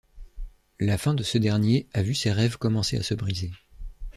La fin de ce dernier a vu ces rêves commencer à se briser.